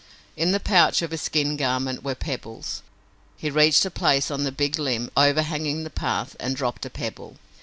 In the pouch of his skin garment were pebbles. He reached a place on the big limb overhanging the path and dropped a pebble.